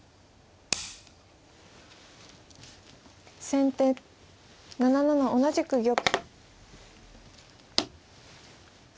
先手７七同じく玉。